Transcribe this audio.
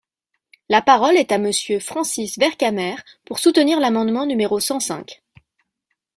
La parole est à Monsieur Francis Vercamer, pour soutenir l’amendement numéro cent cinq.